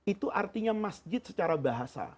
itu artinya masjid secara bahasa